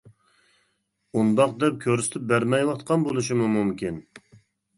ئۇنداق دەپ كۆرسىتىپ بەرمەيۋاتقان بولۇشىمۇ مۇمكىن.